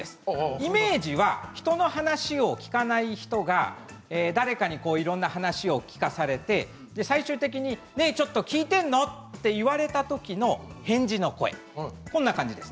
イメージは人の話を聞かない人が誰かに話を聞かされて最終的にちょっと聞いているの？と言われたときの返事の声こんな感じです。